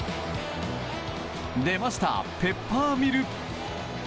出ました、ペッパーミル！